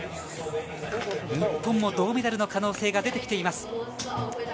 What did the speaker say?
日本も銅メダルの可能性が出てきています。